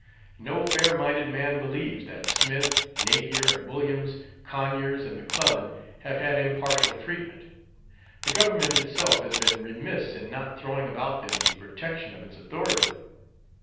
"No fair minded man believes that Smith, Napier and Williams, Conyers and McClellan, have had impartial treatment. The government itself has been remiss in not throwing about them the protection of its authority.